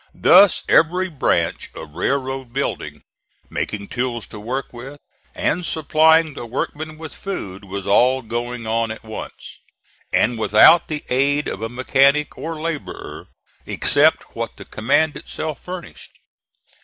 Thus every branch of railroad building, making tools to work with, and supplying the workmen with food, was all going on at once, and without the aid of a mechanic or laborer except what the command itself furnished.